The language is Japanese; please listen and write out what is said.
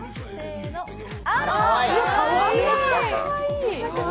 かわいい。